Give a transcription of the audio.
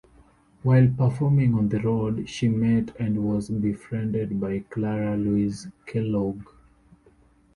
While performing on the road she met and was befriended by Clara Louise Kellogg.